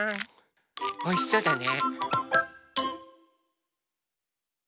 おいしそうだね。